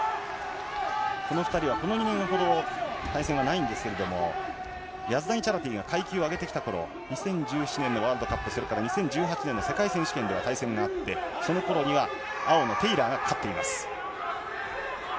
この２人はこの２年ほど、対戦はないんですけれども、ヤズダニチャラティが階級を上げてきたころ、２０１７年のワールドカップ、そして２０１９年の世界選手権では対戦があってそのころには青のテイラーが勝っています。